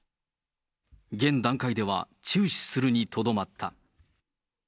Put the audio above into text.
現段階では中止するにとどまった。